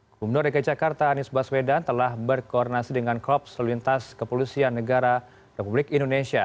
gubernur dki jakarta anies baswedan telah berkoordinasi dengan korps lalu lintas kepolisian negara republik indonesia